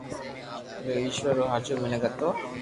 جو اآݾور رو ھاچو مينک ھتو